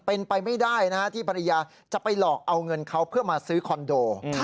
เป็นไปไม่ได้นะฮะที่ภรรยาจะไปหลอกเอาเงินเขาเพื่อมาซื้อคอนโด